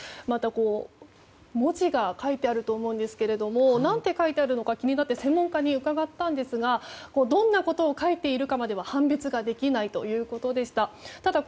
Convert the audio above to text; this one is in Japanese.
また、文字が書いてあると思いますが何と書いてあるのか専門家に伺ったところどんなことを書いているかは判別ができないということでした。